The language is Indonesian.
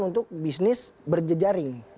untuk bisnis berjejaring